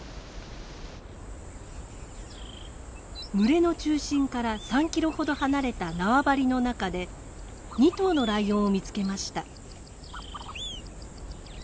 群れの中心から３キロほど離れた縄張りの中で２頭のライオンを見つけました。